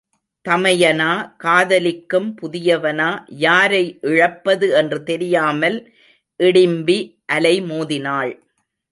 தமையனா காதலிக்கும் புதியவனா யாரை இழப்பது என்று தெரியாமல் இடிம்பி அலைமோதினாள்.